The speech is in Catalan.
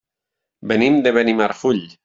Venim de Benimarfull.